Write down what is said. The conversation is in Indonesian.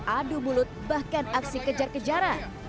adu mulut bahkan aksi kejar kejaran